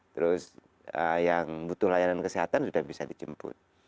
terus yang butuh layanan kesehatan sudah bisa dijemput